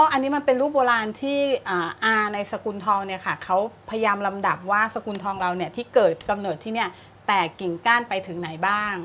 อันนี้มันเป็นรูปโบราณที่อาในสกุลทองเนี่ยค่ะเขาพยายามลำดับว่าสกุลทองเราเนี่ยที่เกิดกำเนิดที่เนี่ยแตกกิ่งก้านไปถึงไหนบ้าง